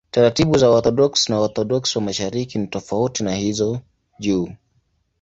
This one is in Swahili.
Taratibu za Waorthodoksi na Waorthodoksi wa Mashariki ni tofauti na hizo juu.